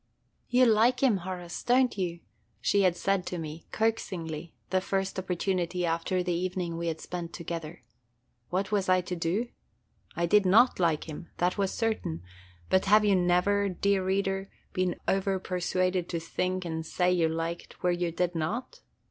"You like him, Horace, don't you?" she had said to me, coaxingly, the first opportunity after the evening we had spent together. What was I to do? I did not like him, that was certain; but have you never, dear reader, been over persuaded to think and say you liked where you did not?